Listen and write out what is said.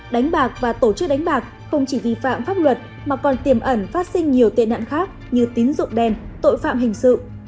đánh bạc và tổ chức đánh bạc không chỉ vi phạm pháp luật mà còn tiềm ẩn phát sinh nhiều tệ nạn khác như tín dụng đen tội phạm hình sự